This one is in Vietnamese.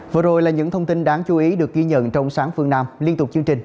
vừa rồi là những thông tin đáng chú ý được ghi nhận trong sáng phương nam liên tục chương trình